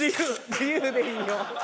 自由でいいんよ。